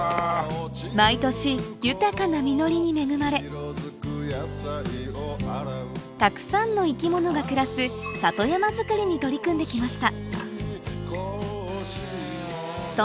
毎年豊かな実りに恵まれたくさんの生き物が暮らすに取り組んできました